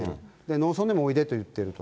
農村でもおいでと言ってると。